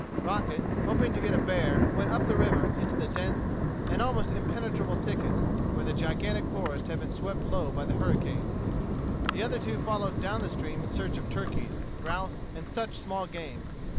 Crockett, hoping to get a bear, went up the river into the dense and almost impenetrable thickets, where the gigantic forest had been swept low by the hurricane. The other two followed down the stream in search of turkeys, grouse, and such small game.